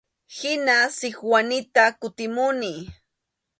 Hina Sikwanita kutimuni.